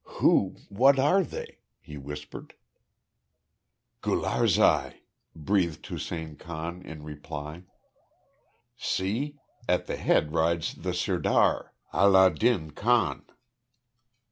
"Who what are they?" he whispered. "Gularzai," breathed Hussein Khan, in reply. "See, at the head rides the Sirdar, Allah din Khan."